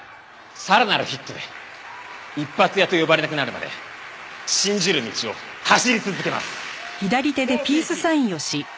「さらなるヒットで一発屋と呼ばれなくなるまで信じる道を走り続けます！」